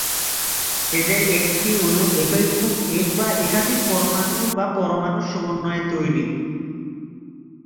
এদের একটি অণু একই রকম এক বা একাধিক পরমাণু/পরমাণুর সমন্বয়ে তৈরি।